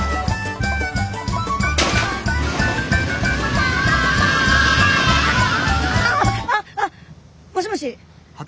ああもしもし。